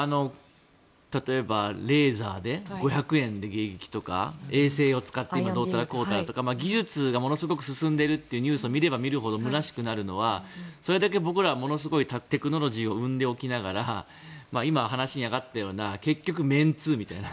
例えばレーザーで５００円で迎撃とか衛星を使ってのどうたらこうたらとか技術がものすごく進んでいるというニュースを見れば見るほど空しくなるのはそれだけ僕らはものすごいテクノロジーを生んでおきながら今、話に上がったような結局メンツみたいな。